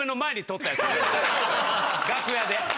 楽屋で。